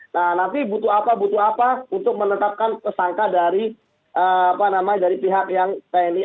nah nanti butuh apa butuh apa untuk menetapkan tersangka dari pihak yang tni